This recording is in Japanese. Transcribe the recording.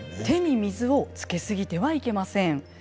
手に水をつけ過ぎてはいけません。